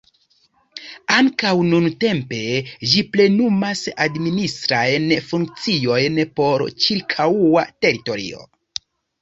Ankaŭ nuntempe ĝi plenumas administrajn funkciojn por ĉirkaŭa teritorio.